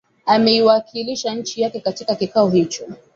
ameiwakilisha nchi yake katika kikao hicho